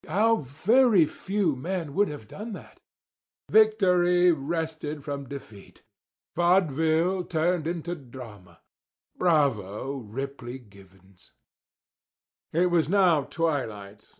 How very few men would have done that!" Victory wrested from defeat! Vaudeville turned into drama! Bravo, Ripley Givens! It was now twilight.